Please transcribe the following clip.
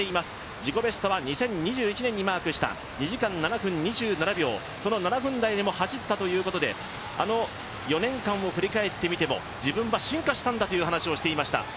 自己バストは２０２１年にマークした２時間７分２７秒、その７分台でも走ったということであの４年間を振り返ってみても、自分は進化したんだと話していました。